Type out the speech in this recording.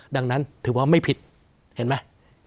ดังนั้นถือว่าไม่ผิดเห็นไหม